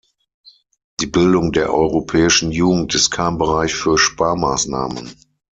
Die Bildung der europäischen Jugend ist kein Bereich für Sparmaßnahmen.